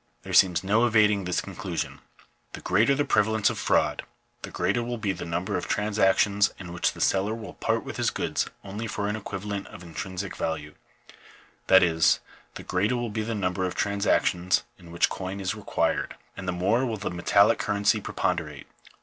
There seems no evading this conclusion. The greater the prevalence of fraud, the greater will be the number of trans actions in which the seller will part with his goods only for an equivalent of intrinsic value ; that is, the greater will be the number of transactions in which coin is required, and the more will the metallic currency preponderate.